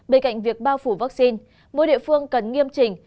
bên cạnh việc bao phủ vaccine mỗi địa phương cần nghiêm trình